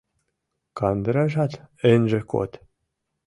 Кандыражат ынже код.